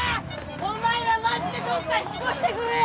お前らマジでどっか引っ越してくれ！